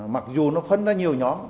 mặc dù nó phân ra nhiều nhóm